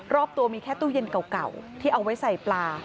รอบตัวมีแค่ตู้เย็นเก่าที่เอาไว้ใส่ปลา